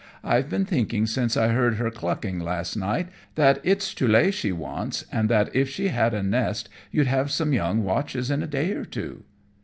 I've been thinking since I heard her 'glucking' last night that it's to lay she wants, and that if she had a nest you'd have some young watches in a day or two."